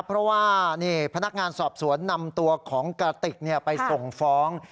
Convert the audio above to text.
เพราะว่านี่พนักงานสอบสวนนำตัวของกระติกไปส่งฟ้อง